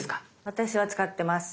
私は使ってます。